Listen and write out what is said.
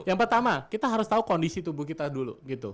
yang pertama kita harus tahu kondisi tubuh kita dulu